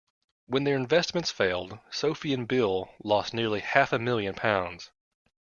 When their investments failed, Sophie and Bill lost nearly half a million pounds